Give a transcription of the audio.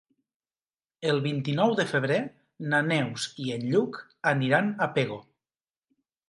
El vint-i-nou de febrer na Neus i en Lluc aniran a Pego.